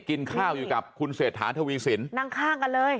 กินข้าวอยู่กับคุณเศรษฐาทวีสินนั่งข้างกันเลย